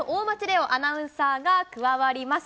央アナウンサーが加わります。